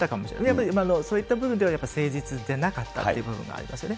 やっぱりそういった部分では、誠実じゃなかったっていう部分がありますよね。